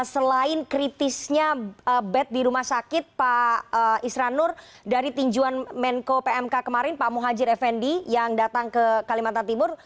selain kritisnya bed di rumah sakit pak isranur dari tinjuan menko pmk kemarin pak muhajir effendi yang datang ke kalimantan timur